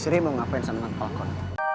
seri mau ngapain sama mark walcon